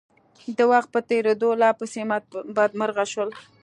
د وخت په تېرېدو لا پسې بدمرغه شول.